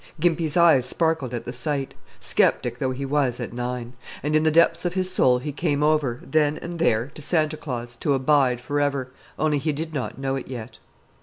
Gimpy's eyes sparkled at the sight, skeptic though he was at nine; and in the depths of his soul he came over, then and there, to Santa Claus, to abide forever only he did not know it yet.